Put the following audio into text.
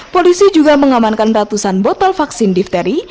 polisi juga mengamankan ratusan botol vaksin difteri